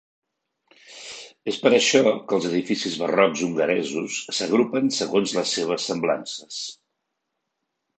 És per això que els edificis barrocs hongaresos s"agrupen segons les seves semblances.